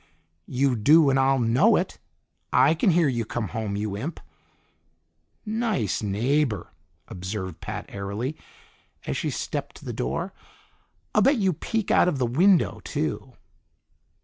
"You do and I'll know it! I can hear you come home, you imp!" "Nice neighbor," observed Pat airily, as she stepped to the door. "I'll bet you peek out of the window, too."